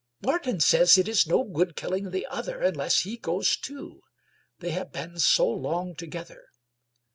"Martin says it is no good killing the other unless he goes too— they have been so long together.